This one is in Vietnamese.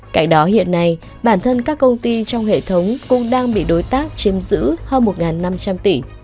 cạnh đó hiện nay bản thân các công ty trong hệ thống cũng đang bị đối tác chiếm giữ hơn một năm trăm linh tỷ